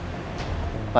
sayang sekali ya pak